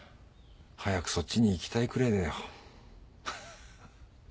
早くそっちに行きたいくらいだよ。ハハハ。